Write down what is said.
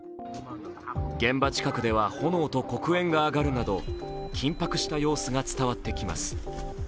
現場近くでは炎と黒煙が上がるなど緊迫した様子が伝わってきます。